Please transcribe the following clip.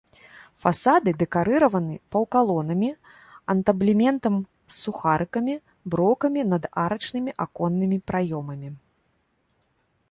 Фасады дэкарыраваны паўкалонамі, антаблементам з сухарыкамі, броўкамі над арачнымі аконнымі праёмамі.